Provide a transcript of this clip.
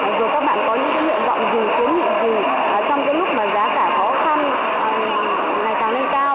dù các bạn có những hiệu vọng gì kiến nghị gì trong lúc giá cả khó khăn này càng lên cao